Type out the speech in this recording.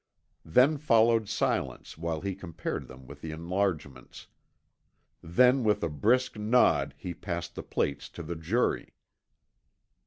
Then followed silence while he compared them with the enlargements. Then with a brisk nod he passed the plates to the jury.